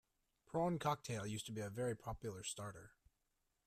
Prawn cocktail used to be a very popular starter